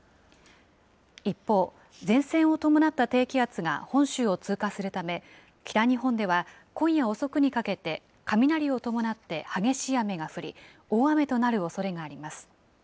一方、前線を伴った低気圧が本州を通過するため、北日本では今夜遅くにかけて、雷を伴って激しい雨が降り、大雨となるおそれがあります。